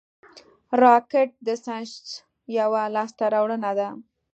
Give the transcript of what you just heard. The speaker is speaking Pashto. راکټ د ساینس یوه لاسته راوړنه ده